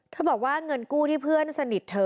บอกว่าเงินกู้ที่เพื่อนสนิทเธอ